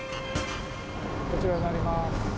こちらになります。